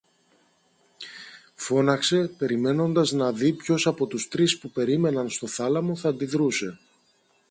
φώναξε, περιμένοντας να δει ποιος από τους τρεις που περίμεναν στο θάλαμο θα αντιδρούσε